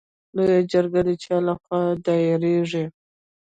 لویه جرګه د چا له خوا دایریږي؟